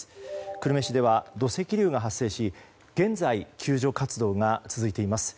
久留米市では土石流が発生し現在、救助活動が続いています。